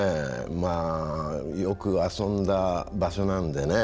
よく遊んだ場所なんでね。